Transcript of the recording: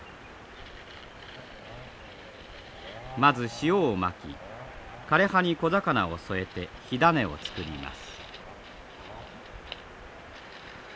まず塩をまき枯れ葉に小魚を添えて火種を作ります。